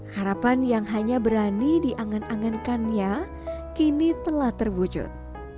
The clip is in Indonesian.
harapan yang hanya berani diangan angankannya kini telah terwujud